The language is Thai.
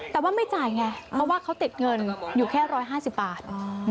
แต่ว่าไม่จ่ายไงเพราะว่าเขาติดเงินอยู่แค่๑๕๐บาท